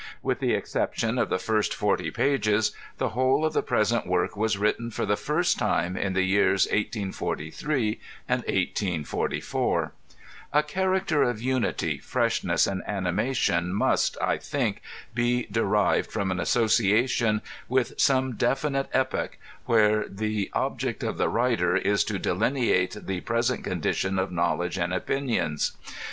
/With the ex ception j>f the £rst forty pages, the whole of the present work was written, for the first time, in the years 1843 and 1344 A ohaxaoter of unity, fireshneas, and animation must, I think, be derived firom an association with some definite epoch, where the object of the writer is to delineate the pres ent condition ei knowledge and opinions.